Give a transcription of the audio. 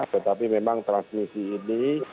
tetapi memang transmisi ini